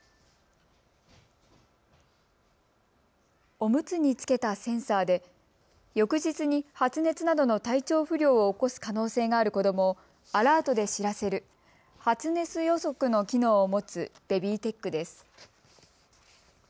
おむつにつけたセンサーで翌日に発熱などの体調不良を起こす可能性がある子どもをアラートで知らせる発熱予測の機能を持つベビーテックです。